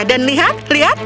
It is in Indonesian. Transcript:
dan lihat lihat